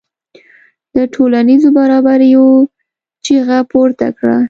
د ټولنیزو برابریو چیغه پورته کړه.